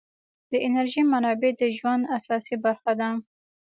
د انرژۍ منابع د ژوند اساسي برخه ده.